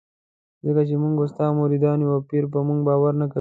ځکه چې موږ کستاخ مریدان یو او پیر پر موږ باور نه کوي.